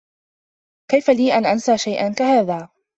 كيف لي أن أنسى شيئا كهذا؟